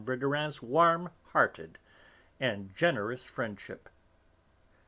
Verdurin's warm hearted and generous friendship.